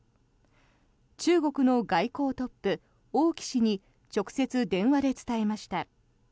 中国の外交トップ、王毅氏に直接電話で伝えました。